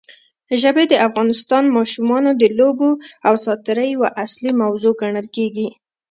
ژبې د افغان ماشومانو د لوبو او ساتېرۍ یوه اصلي موضوع ګڼل کېږي.